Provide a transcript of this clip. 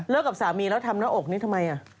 เลิกกับสามีแล้วทำบ้าโรคนี่ทำไม